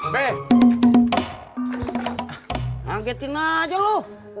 be nanggetin aja lu